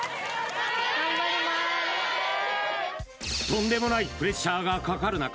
とんでもないプレッシャーがかかる中